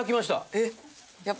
えっ？